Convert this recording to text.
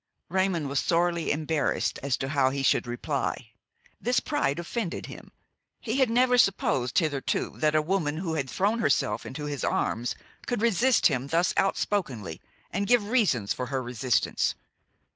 Raymon was sorely embarrassed as to how he should reply. This pride offended him; he had never supposed hitherto that a woman who had thrown herself into his arms could resist him thus outspokenly and give reasons for her resistance.